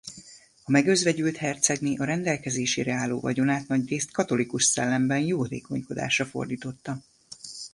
A megözvegyült hercegné a rendelkezésére álló vagyonát nagyrészt katolikus szellemben jótékonykodásra fordította.